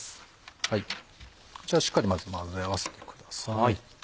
こちらしっかりまず混ぜ合わせてください。